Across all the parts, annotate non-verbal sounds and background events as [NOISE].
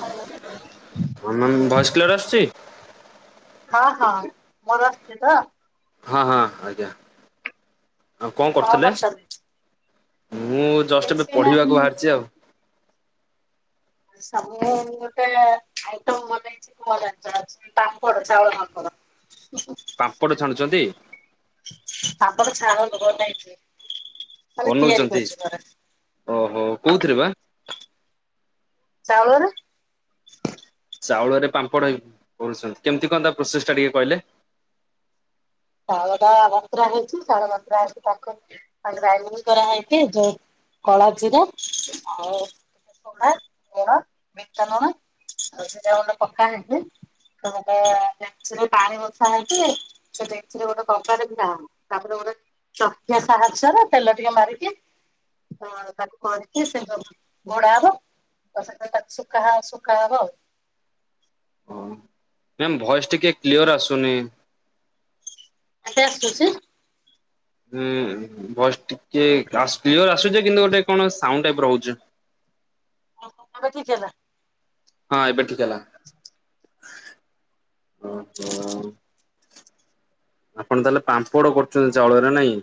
Hello ଆ voice clear ଆସୁଛି- ହଁ ହଁ ମୋର ଅସିଛି ତ- ହଁ ହଁ ଆଜ୍ଞା- ଆଉ କଣ କରୁଥିଲେ? କରୁଛନ୍ତି- ମୁଁ ଜଷ୍ଟ ଏବେ କିଛି ନାହିଁ ପଢିବାକୁ ବାହାରିଛି ଆଉ- ସ ଗୋଟେ ଆଇଟମ୍ ମାନେଛି ତାପଡ ଚାଉଳ ମାଙ୍କଡ- ପାମ୍ପଡ଼ ଛାଣୁଛନ୍ତି- ତାପର ନ ଲଇଛି- ବନଉଛନ୍ତି ଓହୋ କୋଉଥିରେ ବା- ଚାଉଳ- ଚାଉଳରେ ପାମ୍ପଡ଼ କରୁଛନ୍ତି କେମିତି କହନ୍ ତା ପ୍ରୋସେସ ଟା ଟିକେ କହିଲେ- ଉ ଗଟା ବତୁରା ହେଇଛି ଚାଉଳ ବତୁର ହେଇଛି ତାକୁ ଗ୍ରାଣ୍ଡିଙ୍ଗି କରାହେଇଛି ଯୋଉ କଳା ଜିରା ଆଉ ବିଟ ଲୁଣ ଆଉ ସେଟା ଗୋଟେ ପକା ହେଇଛି ଗୋଟେ ପାଣି ବଷା ହେଇଛି ଯ- ସେ ଗୋଟେ କପ ନା ତାପରେ ଗୋଟେ ଚଖ ସାହାଯ୍ୟର ତେଲ ଟିକେ ମାରିକି ତାକୁ କରିକି ସେ ଘୋଡା ହବ ଆ ସେଖା ଶଖା ହବ ଆଉ- ମ୍ୟାମ୍ ଭଏସ ଟିକେ କ୍ଲିଅର ଆସୁନି- କେତେ ଆସୁଛି? ହୁଁ ବସ୍ କି କ୍ଲିଅର ର ଆସୁଛି କିନ୍ତୁ ଗୋଟେ କଣ ସାଉଣ୍ଡ ବ୍ରାଉଜ ଆମେ କି ହଁ ଏବେଠିକହେଲା [INAUDIBLE] ଓହୋ, [UNINTELLIGIBLE] ଆପଣ ତାହେଲେ ପାମ୍ପଡ କରୁଛନ୍ତି ଚାଉଳରେ ନାଇଁ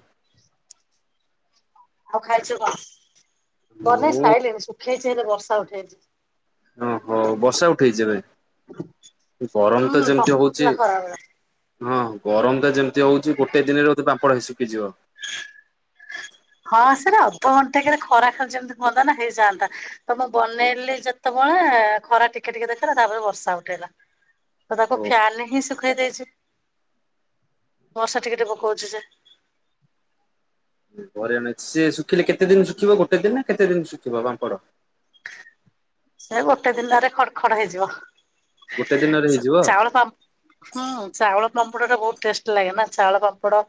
ଆଉ ଖାଇଛୁ କଣ? ବାନେଇ ମୁଁ ସାଇିଲିଣୀ ସୁ ଉଠେଇଛି ହେଲେ ବର୍ଷା ଉଠେଇଛି। ଓହୋ ବର୍ଷା ଉଠେଇଛି ଏବେ ଏ ଗରମ ତ ହୁଁ ଯେମିତି ହଉଛି। ପକଉଥିଲା ଖରାବେଳେ। ହଁ ଗରମ ଯେମିତି ହଉଛି ଗୋଟେ ଦିନରେ ପପଳଇ ଶୁଖିଯିବ ହଁ ସେରା ଅଧଘଣ୍ଟେ କେ ଖରା ଖାଲି ଯେମିତି ବନ୍ଦତା ନା ହେଇଯାଆନ୍ତା ତ ମୁଁ ବନେଇଲି ଯେତେବେଳେ ଖରା ଟିକେ ଟିକେ ଦେଖେଇଲା ତାପରେ ବର୍ଷା ଉଠେଇଲା ତ ଟକୁ ଓ ଫାନଁ ରେ ହିଁ ଖେଇ ଦେଇଛି ବର୍ଷା ଟିକେ ଟିକେ ପକଉଛି ଯେ ପରେ ଆଣ ସେ ଶୁଖିଲେ କେତେ ଦିନ ଶୁଖିବ ଗୋଟେ ଦିନ ନା କେତେ ଦିନ ଶୁଖିବ ପାମ୍ପଡ଼? ସେ ଗୋଟେ ଦିନରେ ଖଡ ଖଡ ହେଇଯିବ ଗୋଟେ ଦିନରେ ହେଇଯିବ ଚାଉଳ ପା ହୁଁ ଚାଉଳ ପାମ୍ପଡ ଟା ବହୁତ ଟେଷ୍ଟ ଲାଗେ ନା ଚାଉଳ ପାମ୍ପଡ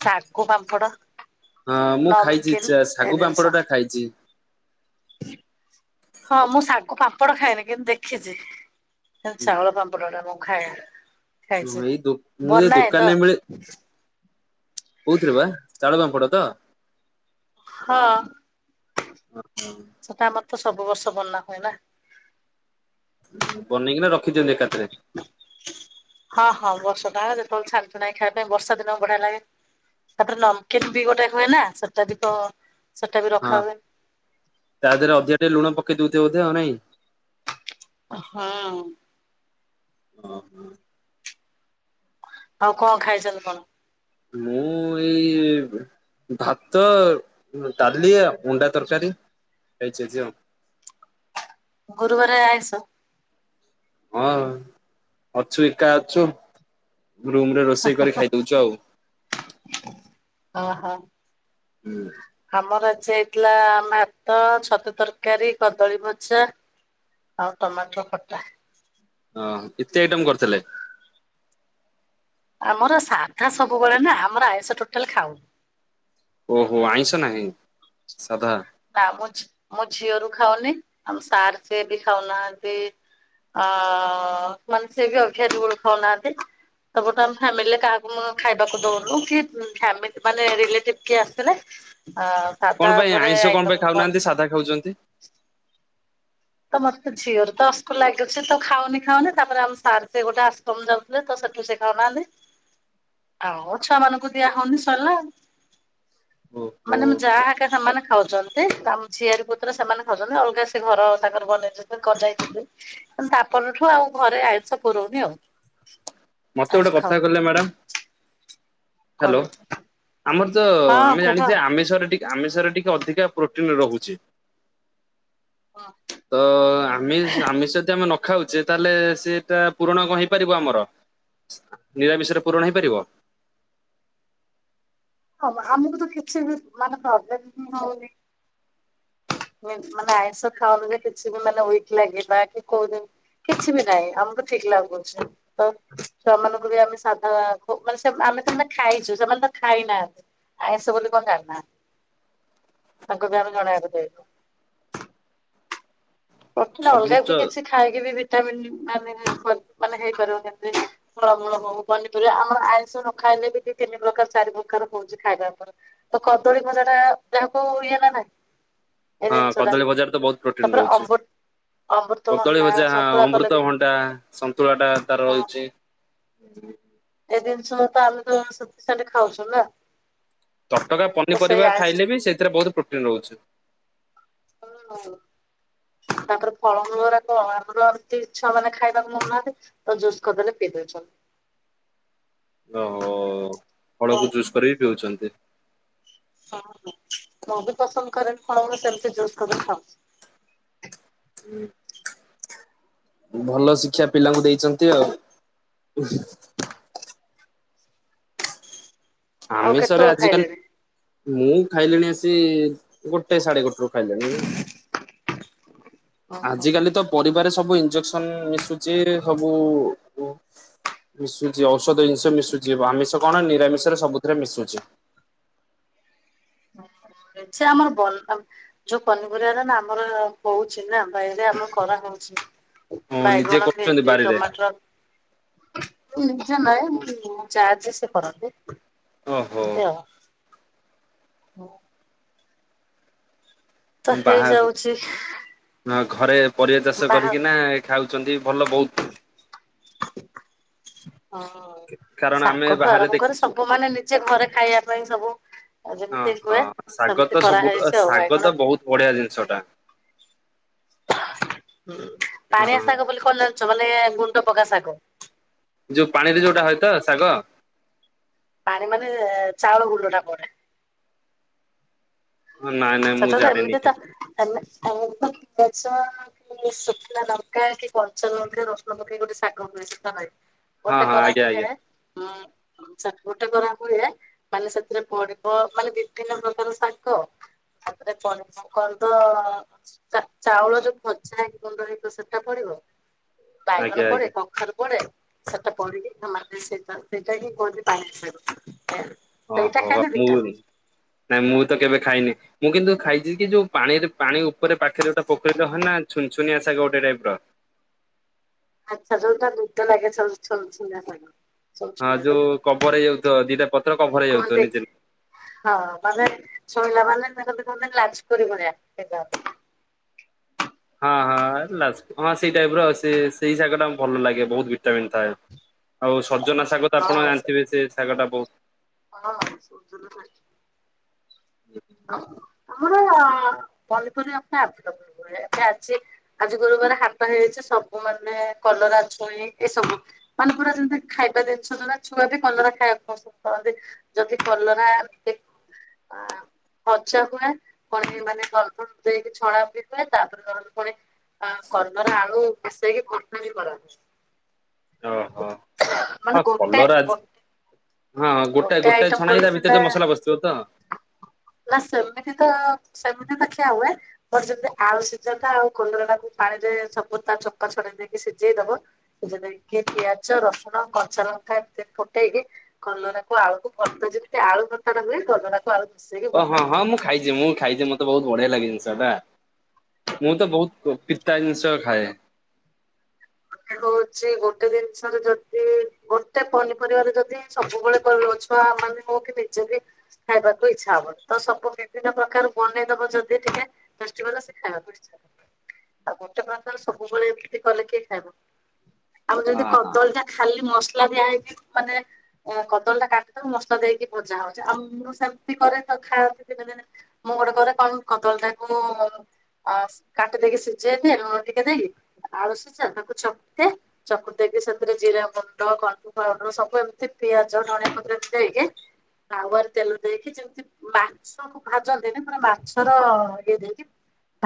ଶାଗୁ ପାମ୍ପଡ ହଁ ମୁଁ ଖାଇଛି ନମକିନ୍ ଏ ଶାଗୁ ଜିନିଷ। ପାମ୍ପଡ ଟା ଖାଇଛି। [INAUDIBLE] ହଁ ମୁଁ ଶାଗୁ ପାମ୍ପଡ଼ ଖାଇନି କିନ୍ତୁ ଦେଖିଛି। ଚାଉଳ ପାମ୍ପଡଟା ଖାଏ। ହ ଖାଇଛି ଏଇ ମୁଁ ସେ ବନାଏ ତ ଦୋକାନରେ ମିଳେ କୋଉଥିରେ ବା ଚାଉଳ ପମ୍ପଡ ତ [INAUDIBLE] ହଁ ସଟା ମତ ତ ସବୁ ବର୍ଷ ବନା ହୁଏ ନା ପନି କିରା ଚନ୍ତି ଏକାଥରେ। ହଁ ହଁ ବର୍ଷା ଟା ଯେତେବେଳେ ଛାଣିଛୁ ନାହିଁ ଖାଇବା ପାଇଁ ବର୍ଷା ଦିନ ବଢିଆ ଲାଗେ ତାପରେ ନମକନ୍ ବି ଗୋଟେ ହୁଏ ନା ସେଟା ବି ତ ସେଟା ବି ରଖା ହଁ ହୁଏ। ତା ଦେହରେ ଅଧିକ ଟିକେ ଲୁଣ କେଇ ଦଉଚ ବୋଧେ ଆଉ ନାଇ ହଁ। ହଁ, ହଁ। ଆଉ କଣ ଖାଇଚନ୍ତି କଣ? ମୁଁ ଏଇ ଭାତ ଡାଲି ଆ ଅଣ୍ଡା ତରକାରୀ ହେଇଛି ଆଜି ଆଉ ଗୁରୁବାର ଆଇଁଷ ହଁ ଅଛୁ ଏକା ଅଛୁ। ରୁମୂ ରେ ରୋଷେଇ କରି ଖାଇଦଉଛୁ ଆଉ। ଓ ହୋ। ଆମର ଆ ସେ ହେଇଥିଲା ଭାତ ଛତୁ ତରକାରୀ, କଦଳୀ ଭଜା ଆଉ ଟମାଟର ଖଟା। ଓହୋ, ଏତେ ଆଇଟମ କରିଥିଲେ। ଆମର ସାଧା ସବୁବେଳେ ନା ଆମର ଆଇଁଷ ଟୋଟାଲ ଖାଉନୁ। ଓହୋ ଆଇଁଷ ନାହିଁ, ସାଧା। ନା ମୁଁ ଝି-ମୋ ଝିଅରୁ ଖାଉନି ଆମ ସାର୍ ସିଏ ବି ଖାଉନାହାଁନ୍ତି, ଆ, ମାନେ ସିଏ ବି [UNINTELLIGIBLE] ବେଳୁ ଖାଉନାହାଁନ୍ତି, ତାପରଠୁ ଆମ ଫ୍ୟାମିଲିରେ କାହାକୁ ମୁଁ ଆଉ ଖାଇବାକୁ ଦଉନୁ କି ଫ୍ୟାମିଲି ମାନେ ରିଲେଟିଭ୍ କିଏ ଆସିଲେ ଅ, ସାଧା ଉପରେ ଆଇ ଖାଉନାହାଁନ୍ତି ସାଧା ଖାଉଚନ୍ତି ତ ମୋତେ ଝିଅରୁ ତ ଅସକ ଲାଗୁଛି ତ ଖାଉନି ଖାଉନି ତାପରେ ଆମ ସାର୍ ସେ ଗୋଟେ ଆଶ୍ରମ ଯାଉଥିଲେ ତ ସେଠୁ ସେ ଖାଉନାହାଁନ୍ତି, ଆଉ ଛୁଆ ମାନଙ୍କୁ ଦିଆ ହଉନି ସରିଲା। ଓହୋ ମାନେ ମୋ ଯାହା ଏକା ସେମାନେ ଖାଉଛନି ସେ ତା ଆମ ଝିଆରି ପୁତୁରା ସେମାନେ ଖାଉଚନି ଅଲଗା ସେ ଘର ଆଗରୁ ବନେଇ ଦେଇଥିଲେ [UNINTELLIGIBLE] ତାପର ଠୁ ଆଉ ଘରେ ଆଇଁଷ ପୁରଉନି ଆଉ। ମୋତେ ଆଇଁଷ ଗୋଟେ କଥା ଖାଉନି କହିଲେ ମ୍ୟାଡାମ୍ କଣ ହ୍ୟାଲୋ କର ଆମର ତ ହଁ ଆମେ କୁହ। ଜାଣିଚେ ଆମିଷରେ ଟି ଆମିଷରେ ଟିକେ ଅଧିକା ପ୍ରୋଟିନ୍ ରହୁଛି। ତ ଆମିଷ୍ ଆମିଷ [UNINTELLIGIBLE] ଆମେ ନ ଖାଉଛେ ତାହେଲେ ସେଟା ପୂରଣ କଣ ହେଇପାରିବ ଆମର? ନିରାମିଷରେ ପୂରଣ ହେଇପାରିବ? ହଁ ଆମକୁ ତ କିଛି ବି ମାନେ ପ୍ରୋବ୍ଲେମ୍ ହିଁ ହଉନି। ମିନ୍ ମାନେ ଆଇଁଷ ଖାଉନୁ ଯେ କିଛି ବି ମାନେ ୱିକ୍ ଲାଗିବା କି କୋଉ ଦିନ୍ କିଛି ବି ନାହିଁ ଆମକୁ ଠିକ ଲାଗୁଛି, ତ ଛୁଆମାନଙ୍କୁ ବି ଆମେ ସାଧା ଖୋ-ମାନେ ସେ ଆମେ ସେମାନେ ଖାଇଚୂ, ସେମାନେ ତ ଖାଇନାହାଁନ୍ତି, ଆଇଁଷ ବୋଲି କଣ ଜାଣି ନାହାଁନ୍ତି, ତାଙ୍କୁ ବି ଆମେ ଜଣେଇବାକୁ ଦେଇନୁ। ପ୍ରୋଟିନ୍ ର ଅଲଗା ସବୁଜ ବି କିଛି ଖାଇକି ବି ଭି ଟାମିନ୍ ମାନେ ଫର୍ ମାନେ ହେଇପାରିବ କେମିତି ଫଳମୂଳ ହଉ ପନିପରିବା ଆମର ଆଇଁଷ ନ ଖାଇଲେ ବି ଦି ତିନି ପ୍ରକାର ଚାରି ପ୍ରକାର ହଉଚି ଖାଇବା ଉପରେ, ତ କଦଳୀ ଭଜା ଟା ଯାହାକୁ ଇଏ ହେଲା ନାଇଁ ହଁ କଦଳୀ ଭଜାରେ ତ ବହୁତ ପ୍ରୋଟିନ୍ ରହୁଛି। ଅମୃତ କଦଳୀ ଅମୃତଭଣ୍ଡା ଭଜା ହଁ ସନ୍ତୁଳା କଲେ ବି ଅମୃତଭଣ୍ଡା ସନ୍ତୁଳା ଟା ତାର ହଁ ରହୁଛି। ହୁଁ। ଏ ଜିନିଷ ତ ଆମେ ତ ସଫିସେଣ୍ଟ ଖାଉଛୁ ନା। ତଟକା ତ ସେଇ ପନିପରିବା ଖାଇଲେ ବି ସେଇଥିରେ ବହୁତ ପ୍ରୋଟିନ୍ ରହୁଛି। ହଁ ହଁ ତାପରେ ଫଳମୂଳ ଅରାକ ଆମର ଏମିତି ଛୁଆମାନେ ଖାଇବାକୁ ମଙ୍ଗୁ ନାହାଁନ୍ତି ତ ଜୁସ୍ କରିଦେଲେ ପିଇ ଦେଉଛନ୍ତି। ଓହୋ ଫଳକୁ ଜୁସ୍ କରି ପିଉଛନ୍ତି। ହଁ ମୁଁ ବି ପସନ୍ଦ କରେନି ଫଳକୁ ସେମିତି ଜୁସ କରି ଖାଉ। ହୁଁ। ଭଲ ଶିକ୍ଷା ପିଲାଙ୍କୁ ଦେଇଛନ୍ତି ଆଉ। ଆଉ ଆମିଷରେ କେତେବେଳୁ ଆଜିକାଲି ଖାଇଲେଣି? ମୁଁ ଖାଇଲିଣି ଆସି ଗୋଟେ ସାଢେ ଗୋଟେ ରୁ ଖାଇଲିଣି। ଓହୋ। ଆଜିକାଲି ତ ପରି ଆଡେ ସବୁ ଇଜେକ୍ସନ ମିଶୁଛି। ସବୁ ମିଶୁଛି ଔଷଧ ଜିନିଷ ମିଶୁଛି। ଆମିଷ କଣ ନି ନିରାମିଷରେ ସବୁଥିରେ ମିଶୁଛି। ସେ ଆମର ଯୋଉ ପନିପରିବା ହେଲା ନା ଆମର ହଉଛି ନା ବାଇରେ ଆମର କରା ହଉଛି। ହଁ ନିଜେ ବାଇଗଣ କରୁଛନ୍ତି ଭେଣ୍ଡି ବାରିରେ ଟମାଟୋ। ନିଜ ନହିଁ ଯା ଯେ ସେ କରନ୍ତି। ଓହୋ ଏମିତି ଆଉ। ହଁ। ତ ହେଇ ବାହା ଯାଉଛି। ଘରେ ପରିବା ଚାଷ କରିକି ନା ଖାଉ। ଅଛନ୍ତି ଭଲ ବହୁତ। ହଁ କାରଣ ଆମେ ଶାଗଠୁ ବାହାରେ ଆରମ୍ଭ କରି ଦେଖିଛୁ ସବୁ ମାନେ ନିଜେ ଘରେ ଖାଇବା ପାଇଁ ସବୁ ଆଉ ଯେମିତି ଓହଁ ହୁଏ ଶାଗ ସେମିତି ତ ସବୁଠୁ କରାହେଇଛି ଆଉ ଶାଗ ବାଇଗଣ ତ ବହୁତ ବଢିଆ ଜିନିଷ ଟା। ପାଣିଆ ହଁ ସାଗ ବୋଲି କଲ ଛ ମାନେ ଗୁଣ୍ଡ ପକା ଶାଗ। ଯୋଉ ପାଣିରେ ଯୋଉଟା ହଏ ତ ଶାଗ। ପାଣି ମାନେ ଚାଉଳ ଗୁଣ୍ଡ ଟା ପଡେ। ନାଇଁ ନାଇଁ ସତ ମୁଁ ତ ଜାଣିନି ଏମିତି କି ତ। ଆଉ ପିଆଚ କି ଶୁଖିଲା ଲଙ୍କା କି କଞ୍ଚା ଲଙ୍କା ରସୁଣ ପକେଇକି ଗୋଟେ ଶାଗ ହୁଏ। ସେହି ହଁ ଗୋଟେ ହଁ କରା ଆଜ୍ଞା ହୁଏ। ଆଜ୍ଞା। ହୁଁ ଚା ଗୋଟେ ଖରା ହୁଏ। ମାନେ ସେଥିରେ ପଡିବ ମାନେ ବିଭିନ୍ନ ପ୍ରକାର ଶାଗ। ତାପରେ କର ତ ଚାଉଳ ଯୋଉ ଭଜା ହେଇ ଗୁଣ୍ଡ ହେଇଥିବ ସେଟା ପଡିବ। ବାଇଗଣ ଆଜ୍ଞା ପରେ ଆଜ୍ଞା କଖାରୁ ପଡେ। ସେଟା ପଡିକି ନା ସେଇଟା ସେଇଟା ହିଁ କୁହନ୍ତି ପାଣିଆ ଶାଗ। ସେଇଟା ଓହୋ ଖାଇଲେ ମୁଁ ଭିଟାମିନ୍। ନାଇଁ ମୁଁ ତ କେବେ ଖାଇନି। ମୁଁ କିନ୍ତୁ ଖାଇଛି କି ଯୋଉ ପାଣିରେ ପାଣି ଉପରେ ପାଖରେ ଗୋଟେ ପୋଖରୀରେ ହ ନା ଛୁନ୍ ଛୁନିଆ ଶାଗ ଗୋଟେ ଟାଇପ୍ ର। ଆଚ୍ଛା ଯୋଉ ତା ଦୁଃଧ ଲାଗେ ଛୋଲ ଛୋଲ ଛୋଲାନା ଶାଗ। ସବୁ ହଁ ଛୁଲା ଶାଗ ଯୋଉ କଭର ହେଇଯାଉଥିବ। ଦିଇଟା ପତ୍ର କଭର ହେଇଯାଉଥିବ କୁହନ୍ତି ନିଜେ ହଁ ମାନେ ଶୋଇଲା ମାନେ ଲାଜକୁଳି ଭଳିଆ ସେଇଟା। ହଁ ହଁ। ହଁ ସେଇ ଟାଇପ୍ ର ଆଉ ସେ ସେଇ ଶାଗଟା। ଭଲ ଲାଗେ ବହୁତ ଭିଟାମିନ ଥାଏ ଆଉ ସଜନା ଶାଗ ତ ଆପଣ ଜାଣିଥିବେ ହଁ ସେ ଶାଗ ଟା ବହୁତ ହଁ। ହଁ। ଆମର ପନିପରିବା ଆଭେଲେବଲ ହୁଏ ଏବେ ଆଜି ଆଜି ଗୁରୁବାରେ ହାଟ ହେଇଛି ସବୁ ମାନେ କଲରା ଛୁଇଁ ଏସବୁ ମନେ ପୁରା ଯେମିତି ଖାଇବା ଜିନିଛନ୍ତି ନା ଛୁଆ ବି କଲରା ଖାଇବାକୁ ପସନ୍ଦ କରନ୍ତି ଯଦି କଲରା ଦେଖ ହଁ। ହଚା ହୁଏ କଣି ମାନେ କଳପ ଦେଇେଇକି ଛଣା ବି ହୁଏ ତାପରେ ଧରନ୍ତୁ କଣି କର୍ମର ଆଳୁ ମିଶେଇକି ବର୍ଷା ବି କରନ୍ତି। ଓହୋ ହଁ ମାନେ ଗୋଟେ କଲରା ଗତେ ହଁ ଗୋଟେ ଗୋଟେ ଛଣାହେଇ ତା ଭିତରେ ମସଲା ପସିଥିବ ତ ସେମିତି ତ ସେମିତି ତ ଖିଆ ହୁଏ ବର ଯେମିତି ଆଳୁ ସିଝନ୍ତା ଆଉ କଲରାକୁ ପାଣିରେ ସବୁ ତା ଚକା ଛଡେଇ ଦେଇକି ସିଝେଇ ଦବ ସିଝେଇ ଦେଇକି ପିଆଜ ରସୁଣ କନ୍ଚା ଲଙ୍କା ଏମିତି ଫୁଟେଇକି କଲରାକୁ ଆଳୁକୁ ଯେମିତି ଆଳୁ ଭରତା ଟା ହୁଏ। କଲରା କୁ ଆଳୁ ମିଶେଇକି ଓ ହଁ ଭର୍ତ୍ତାଟା ହଁ ହୁଏ। ମୁଁ ଖାଇଛି ମୁଁ ଖାଇଛି ମତେ ବହୁ ବଢିଆ ଲାଗେନ [UNINTELLIGIBLE] ମୁଁ ତ ବହୁତ ପିତା ଜିନିଷ ଖାଏ। ହଉଛି ଗୋଟେ ଜିନିଷରେ ଯଦି ଗୋଟେ ପନିପରିବାରେ ଯଦି ସବୁବେଳେ ଛୁଆ ମାନେ ହଉ କି ନିଜେ ବି ଖାଇବାକୁ ଇଛା ହବନି ତ ସବୁ ବିଭିନ୍ନ ପ୍ରକାର ବନେଇ ଦବ ଯଦି ଟିକେ ସେ ଖାଇବାକୁ ଇଛା ହ ଆଉ ଗୋଟେ ପ୍ରକାର ସବୁବେଳେ ଏମତି କଲେ କି। ସବୁ ଆଉ ଯଦି ହଁ। କଦଳୀ ଟା ଖାଲି ମ ମସଲା ଦିଆ ହେଇକି ମାନେ କଦଳୀ ଟା କାଟି ତ ମସଲା ଦେଇକି ଭଜା ହଉଛି ଆଉ ମୁଁ ସେମିତି କରେ ତ ଖାଆନ୍ତିନି ସେମାନେ ମୁଁ ଗୋଟେ କରେ କଣ କଦଳୀ ଟାକୁ କାଟି ଦେଇକି ସିଝେଇି ଦିଏ ଲୁଣ ଟିକେ ଦେଇକି ଆଳୁ ସିଝା ଚକଟେ। ଚକୁଟେଇକି ସେଥିରେ ଜିରା ଗୁଣ୍ଡ କଳପ ପାଉଡର ସବୁ ଏମିତି ପିଆଜ ନଡିଆ ପକେଇ ଦେଇକି ତାୱାର ତେଲ ଦେଇକି ଯେମତି ମାଛ କୁ ଭାଜନ୍ତିନି ପୂରା ମାଛର ଇଏ ଦେଇକି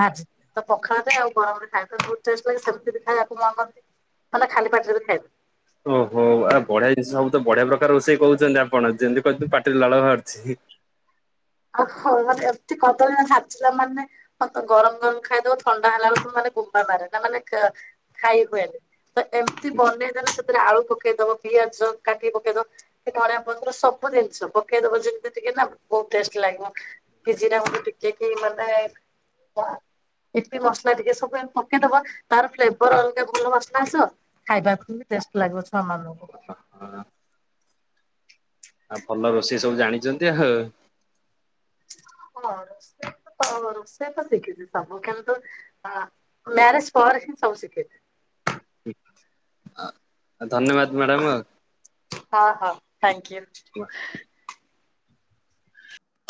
ଭାଜି ତ ପଖାଳ ଦେ ଆଉ ଗରମରେ ଖାଇବା ବହୁ ଟେଷ୍ଟ୍ ଲାଗେ ସେମିତିବି ଖାଇବା। କର ମାନେ ଖାଲି ପାଟିରେ ବି ଖାଇବେ। ଓହୋ ଆ ବଢିଆ ଜିନିଷ ସବୁ ତ ବଢିଆ ପ୍ରକାର ରୋଷେଇ କହୁଛନ୍ତି ଆପଣ ଯେମିତି କହୁଛନ୍ତି ପାଟିରେ ଲାଳ ବାହାରୁଛି। ଓ ହୋ ମାନେ ଏମତି କଦଳୀ ଚିଲା ମାନେ ହ ଗରମ ଗରମ ଖାଇଦବ ଥଣ୍ଡା ହେଲା ବେଳକୁ ମାନେ ଗୁମ୍ବା ମାରେ ନା ମାନେ ଖାଇ ହୁଏନି ତ ଏମିତି ବନେଇଦଲେ ସେଥିରେ ଆଳୁ ପକେଇଦବ ପିଆଜ କାଟି ପକେଇଦବ ଧଣିଆ ପତର ସବୁ ଜିନିଷ ପକେଇଦବ ଯେମିତି ଟିକେ ନା ଟେଷ୍ଟ୍ ଲାଗିବ କି ଜିରା ଗୁଣ୍ଡ ଟିକେ କି ମାନେ ପିପି ମସଲା ଟିକେ ସବୁ ପକେଇଦବ ତାର ଫ୍ଲେବର୍ ଅଲଗା ଭଲ ଵାସନା ଆସିବ ଖାଇବା କୁ ବି ଟେଷ୍ଟ ଲାଗିବ ଛୁଆ ମାନଙ୍କୁ। ଆଉ ଭଲ ରୋଷେଇ ସବୁ ଜାଣିଛନ୍ତି ଆ ହଉ। ହଁ ରୋଷେଇ ତ ରୋଷେଇ ତ ଶିଖିଛି ସବୁ କିନ୍ତୁ ମ୍ୟାରେଜ ପରେ ହିଁ ସବୁ ଶିଖିଛି। ଧନ୍ୟବାଦ ମ୍ୟାଡ଼ାମ। ହଁ ହଁ [INAUDIBLE] ଥ୍ୟାଙ୍କ୍ ୟୁ।